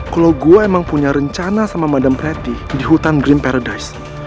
kalau gue emang punya rencana sama madam pretty di hutan green paradise